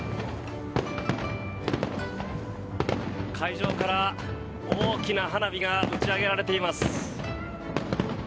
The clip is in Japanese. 海上から、大きな花火が打ち上げられています。